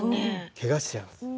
けがしちゃいます。